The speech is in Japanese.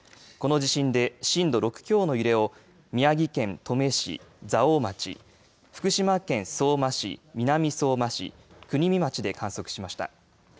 この地震で震度６強の揺れを宮城県登米市蔵王町福島県相馬市南相馬市国見町で観測しました。